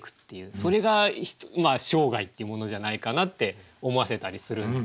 それが生涯っていうものじゃないかなって思わせたりするんですね。